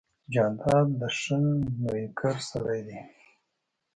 جانداد د ښه نویکر سړی دی.